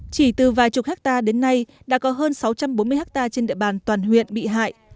chỉ từ vài chục hectare đến nay đã có hơn sáu trăm bốn mươi hectare trên địa bàn toàn huyện bị hại